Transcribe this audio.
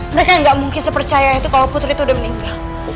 mereka nggak mungkin sepercaya itu kalau putri itu udah meninggal